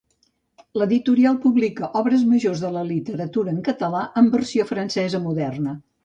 L'editorial publica obres majors de la literatura en català en versió francesa moderna.